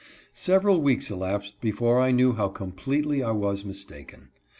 Several weeks elapsed before I knew how completely I was mistaken.